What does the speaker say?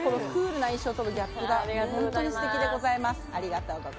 クールな印象とのギャップが本当にステキでございます。